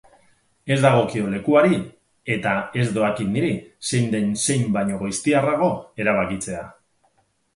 Ez dagokio lekuari, eta ez doakit niri, zein den zein baino goiztiarrago erabakitzea.